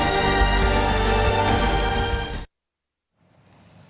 tim liputan kompastv jakarta